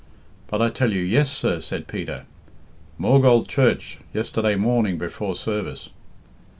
'But I tell you yes, sir,' said Peter. 'Maughold Church yesterday morning before service.'